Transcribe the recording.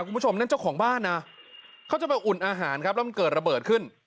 คุณผู้ชมนั่นเจ้าของบ้านนะเขาจะไปอุ่นอาหารครับแล้วมันเกิดระเบิดขึ้น